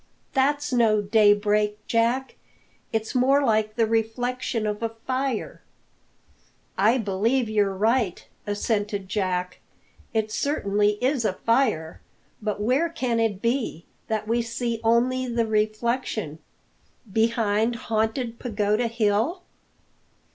"That's no daybreak, Jack! It's more like the reflection of a fire." "I believe you're right," assented Jack. "It certainly is a fire; but where can it be, that we see only the reflection? Behind Haunted Pagoda Hill?"